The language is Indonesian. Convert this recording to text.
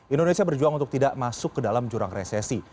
indonesia berjuang untuk tidak masuk ke dalam jurang resesi